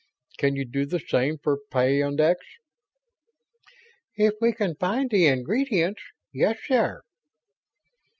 Can you do the same for peyondix?" "If we can find the ingredients, yes, sir."